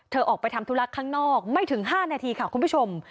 ออกไปทำธุระข้างนอกไม่ถึง๕นาทีค่ะคุณผู้ชม